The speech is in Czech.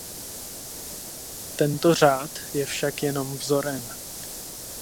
Tento řád je však jenom vzorem.